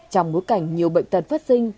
trong bối cảnh nhiều bệnh tật phát sinh